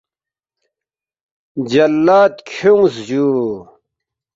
جلّاد کھیونگس جُو